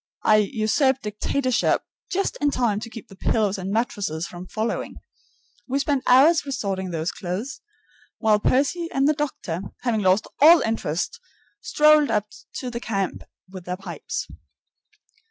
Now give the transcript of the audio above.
I usurped dictatorship just in time to keep the pillows and mattresses from following. We spent hours resorting those clothes, while Percy and the doctor, having lost all interest strolled up to the camp with their pipes.